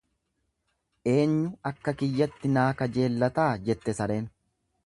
Eenyu akka kiyyatti naa kajeellataa, jette sareen.